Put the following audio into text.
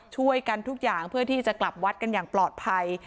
ช่วยกันทุกอย่างเพื่อที่จะกลับวัดกันอย่างปลอดภัย